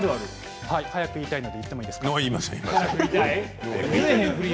早く言いたいので言ってもいいですか？